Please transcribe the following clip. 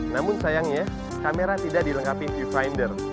namun sayangnya kamera tidak dilengkapi vinder